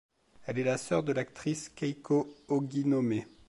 Elle est la sœur de l'actrice Keiko Oginome.